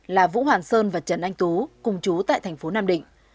là vũ hoàn sơn và trần anh tú cùng chú tại thành phố nam định